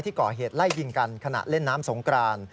ก่อเหตุไล่ยิงกันขณะเล่นน้ำสงกราน